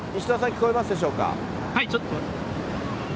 聞こえます？